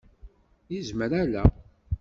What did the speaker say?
Yezmer ala.